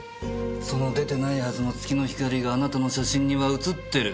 その出てないはずの月の光があなたの写真には写っている。